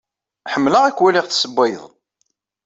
Ḥemmleɣ ad k-waliɣ tessewwayed.